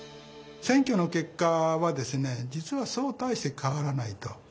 選挙の結果は実はそう大して変わらないと。